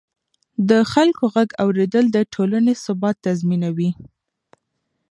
د خلکو غږ اورېدل د ټولنې ثبات تضمینوي